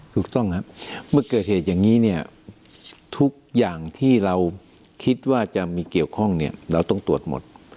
ถูกต้องครับเมื่อเกิดเหตุอย่างนี้เนี่ยทุกอย่างที่เราคิดว่าจะมีเกี่ยวข้องเนี่ยเราต้องตรวจหมด